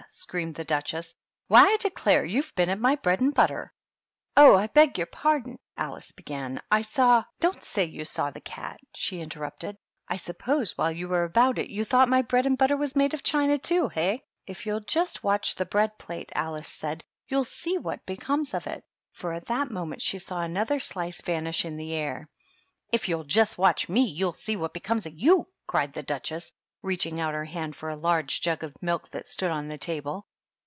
screamed the Duchess. "Why, I declare you've been at my bread and butter !" a THE DUCHESS AND HER HOUSE. 51 Oh, I ^eff your pardon," Alice began; "I saw "" Don't say you saw the cat," she interrupted. " I suppose, while you were about it, you thought my bread and butter was made of china too, hey r "If you'll just watch the bread plate," Alice said, " you'll see what becomes of it ;" for at that moment she saw another slice vanish in the air. "If you'll just watch me, you'll see what be comes of you /" cried the Duchess, reaching out her hand for a large jug of milk that stood on the table.